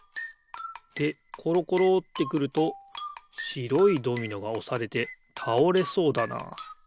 でころころってくるとしろいドミノがおされてたおれそうだなあ。